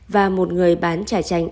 và một người bán trà chanh